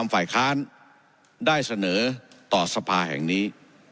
ฝ่ายค้านได้เสนอต่อสภาแห่งนี้